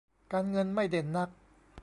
การเงินไม่เด่นนัก